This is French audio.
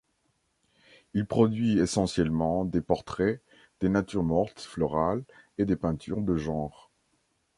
Il produit essentiellement des portraits, des natures mortes florales et des peintures de genre.